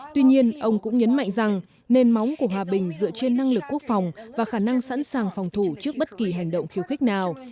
tuy nhiên ông cũng nhấn mạnh rằng nền móng của hòa bình dựa trên năng lực quốc phòng và khả năng sẵn sàng phòng thủ trước bất kỳ hành động khiêu khích nào